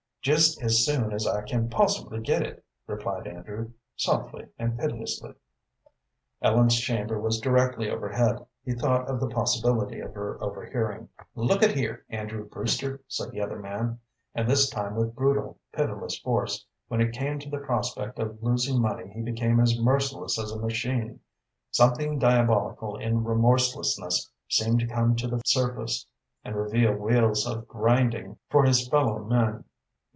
"Just as soon as I can possibly get it," replied Andrew, softly and piteously. Ellen's chamber was directly overhead. He thought of the possibility of her overhearing. "Look at here, Andrew Brewster," said the other man, and this time with brutal, pitiless force. When it came to the prospect of losing money he became as merciless as a machine. Something diabolical in remorselessness seemed to come to the surface, and reveal wheels of grinding for his fellow men.